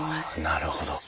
なるほど。